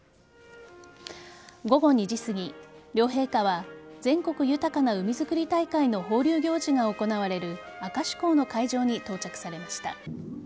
午後２時すぎ、両陛下は全国豊かな海づくり大会の放流行事が行われる明石港の会場に到着されました。